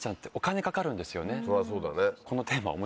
そりゃそうだね。